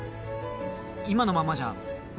今のままじゃま